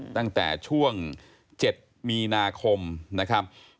ตั้งแต่ช่วง๗มีนาคมนะครับ